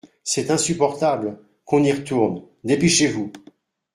C’est insupportable ; qu’on y retourne ; dépêchez-vous.